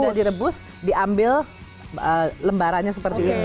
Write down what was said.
ini sudah direbus diambil lembarannya seperti ini